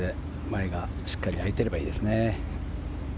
前がしっかり空いていればいいですね。